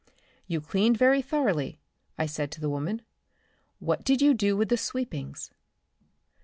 "You cleaned very thoroughly," I said to the woman. "What did you do with the sweepings?"